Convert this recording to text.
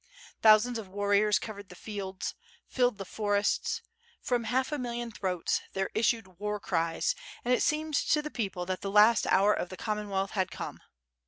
Thousands of warriors covered the fields, filled the forests; from half a million throats there issued war cries, and it seemed to the people that the last hour of the Common wealth had come.